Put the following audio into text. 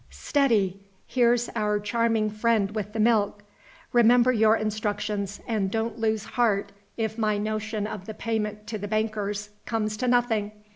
Steady! here's our charming friend with the milk. Remember your instructions, and don't lose heart if my notion of the payment to the bankers comes to nothing.